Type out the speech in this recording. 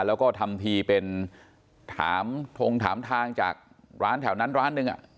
แล้วก็ทำทีเป็นถามทงถามทางจากร้านแถวนั้นร้านหนึ่ง